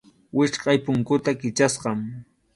Wichqʼay punkuta Kichasqam.